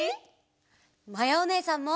まやおねえさんも！